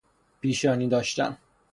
پیشانی داشتن